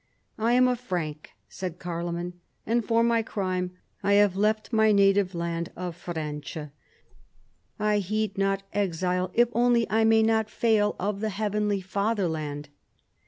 " I am a Frank," said Carloman, " and for my crime I have left my native land of Francia. I heed not exile if only I may not fail of the heavenly father land."